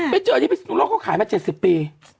ไปเจอที่พิศนุโลกเขาขายมา๗๐ปี